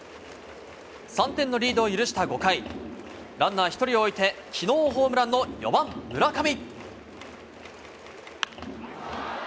３点のリードを許した５回、ランナー１人を置いて、昨日ホームランの４番・村上。